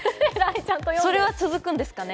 それは続くんですかね？